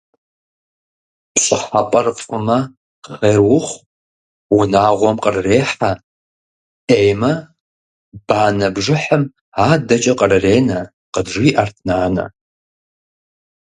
«Пщӏыхьэпӏэр фӀымэ, хъер ухъу, унагъуэм кърырехьэ, Ӏеймэ, банэ бжыхьым адэкӀэ кърыренэ», – къыджиӀэрт нанэ.